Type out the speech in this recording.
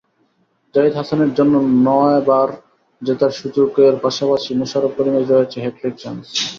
জাহিদ হাসানের জন্য নয়বার জেতার সুযোগের পাশাপাশি মোশাররফ করিমের রয়েছে হ্যাটট্রিক চান্স।